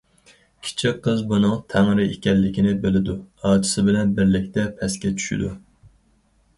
كىچىك قىز بۇنىڭ تەڭرى ئىكەنلىكىنى بىلىدۇ، ئاچىسى بىلەن بىرلىكتە پەسكە چۈشىدۇ.